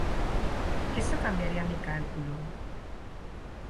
Eso cambiaría mi cálculo.